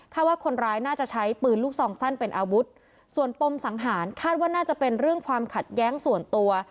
ว่าคนร้ายน่าจะใช้ปืนลูกซองสั้นเป็นอาวุธส่วนปมสังหารคาดว่าน่าจะเป็นเรื่องความขัดแย้งส่วนตัว